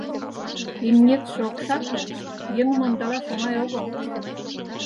Имнетше окшак гын, еҥым ондалаш оҥай огыл.